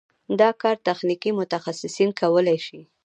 دا کار تخنیکي متخصصین کولی شي.